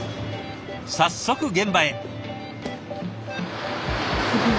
早速現場へ。